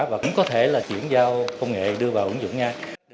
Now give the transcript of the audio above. và cũng có thể là chuyển giao công nghệ đưa vào ứng dụng nha